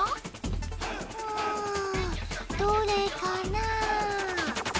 うんどれかなあ？